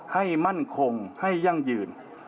มั่นคงให้ยั่งยืน